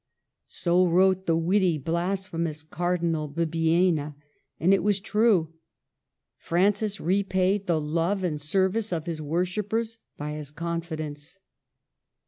So wrote the witty, blas phemous Cardinal Bibbiena. And it was true. Francis repaid the love and service of his wor shippers by his confidence.